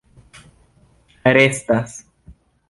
restas